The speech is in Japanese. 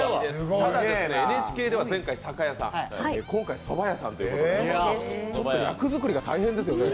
ＮＨＫでは前回、酒屋さん、今回は、そば屋さんということで役作りが大変ですよね。